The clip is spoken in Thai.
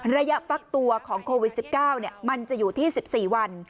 ระยะฟักตัวของโควิด๑๙มันจะอยู่ที่๑๔วัน